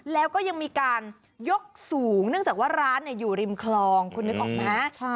แล้วก็ยังมีการยกสูงเนื่องจากว่าร้านอยู่ริมคลองคุณนึกออกไหม